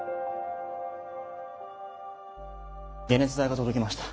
解熱剤が届きました。